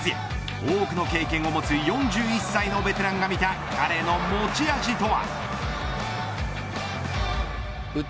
多くの経験を持つ４１歳のベテランが見た彼の持ち味とは。